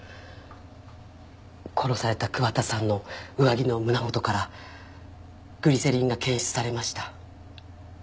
殺された桑田さんの上着の胸元からグリセリンが検出されました